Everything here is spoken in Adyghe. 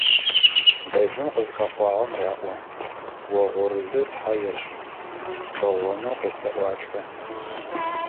Былым къызыхэхъуагъэм раӀо: «Огъурылы тхьэ ешӀ!», «Бэгъонэу къесэӀуалӀэ.».